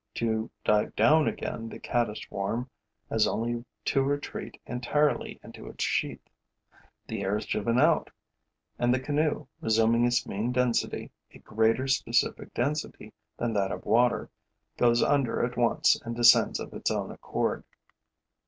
To dive down again, the caddis worm has only to retreat entirely into its sheath. The air is driven out; and the canoe, resuming its mean density, a greater specific density than that of water, goes under at once and descends of its own accord.